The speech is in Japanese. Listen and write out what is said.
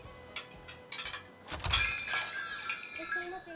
いらっしゃいませ。